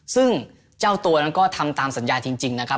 ซึ่งเจ้าตัวนั้นก็ทำตามสัญญาจริงนะครับ